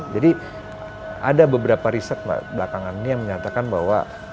jadi ada beberapa riset belakangan ini yang menyatakan bahwa